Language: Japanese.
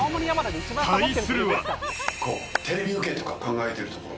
対するは。